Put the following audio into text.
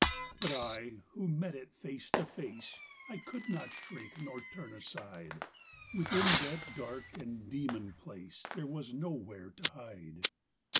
But I, who met it face to face, I could not shrink nor turn aside: Within that dark and demon place There was nowhere to hide.